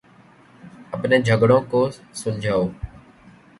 اپنے جھگڑوں کو سلجھاؤ۔